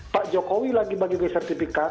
pak jokowi lagi bagi beli sertifikat